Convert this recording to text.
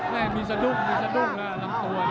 มาไปจุบแล้วครับใจเลย